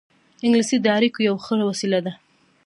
انګلیسي د اړیکو یوه ښه وسیله ده